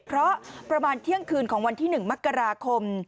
เพราะประมาณเที่ยงคืนของวันที่๑มกราคม